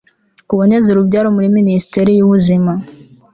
kuboneza urubyaro muri minisiteri y'ubuzima